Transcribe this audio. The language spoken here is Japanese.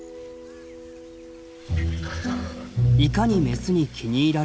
いかにメスに気に入られるか。